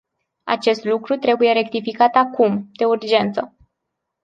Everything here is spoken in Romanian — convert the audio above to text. Acest lucru trebuie rectificat acum, de urgență.